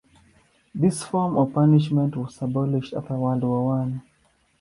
This form of punishment was abolished after World War One.